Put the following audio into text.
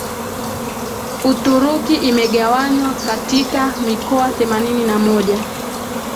Uturuki imegawanywa katika mikoa themanini na moja